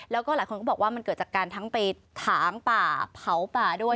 แล้วก็หลายคนก็บอกว่ามันเกิดจากการทั้งไปถางป่าเผาป่าด้วย